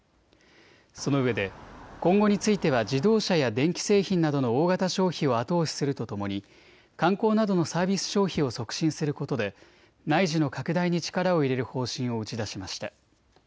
そのうえで今後については自動車や電気製品などの大型消費を後押しするとともに観光などのサービス消費を促進することで内需の拡大に力を入れる方針を打ち出しました。